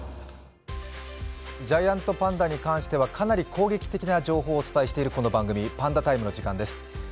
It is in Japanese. ジャイアントパンダに関してはかなり攻撃的な情報をお伝えしているこの番組パンダタイムの時間です。